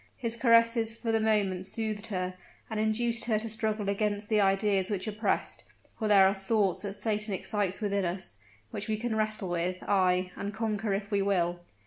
His caresses for the moment soothed her, and induced her to struggle against the ideas which oppressed: for there are thoughts that Satan excites within us, which we can wrestle with ay, and conquer if we will.